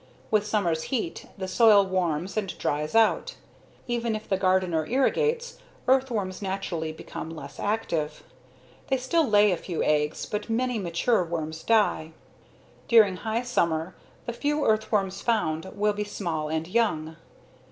With summer's heat the soil warms and dries out. Even if the gardener irrigates, earthworms naturally become less active. They still lay a few eggs but many mature worms die. During high summer the few earthworms found will be small and young.